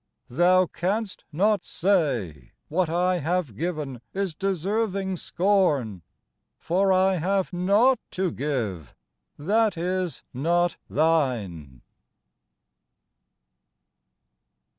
Thou canst not say What I have given is deserving scorn, For I have naught to give that is not Thine.